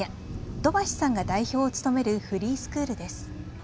土橋さんが代表を務めるフリースクールです。